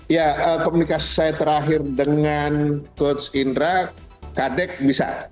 ya komunikasi saya terakhir dengan coach indra kadek bisa